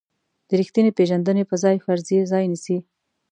د ریښتینې پېژندنې په ځای فرضیې ځای نیسي.